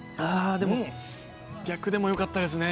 逆でもよかったですね